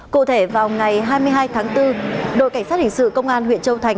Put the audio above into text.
cụ thể vào ngày hai mươi hai tháng bốn đội cảnh sát hình sự công an huyện châu thành